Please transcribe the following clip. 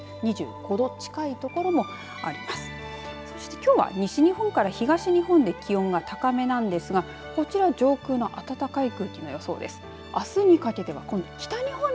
きょうは西日本から東日本で気温が高めなんですがこちら上空の暖かい空気の予想です。